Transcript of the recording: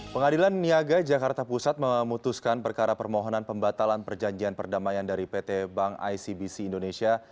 pengadilan niaga jakarta pusat memutuskan perkara permohonan pembatalan perjanjian perdamaian dari pt bank icbc indonesia